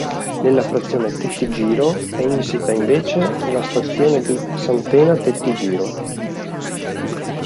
Nella frazione Tetti Giro è insita invece la Stazione di Santena-Tetti Giro.